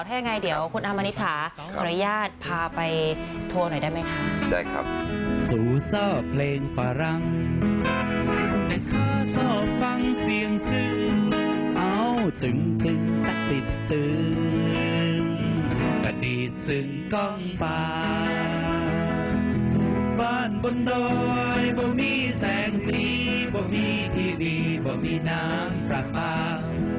ถ้ายังไงเดี๋ยวคุณอามณิษฐาขออนุญาตพาไปโทรหน่อยได้ไหมคะ